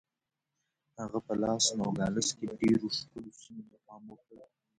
هغه په لاس نوګالس کې ډېرو ښکلو سیمو ته پام وکړ.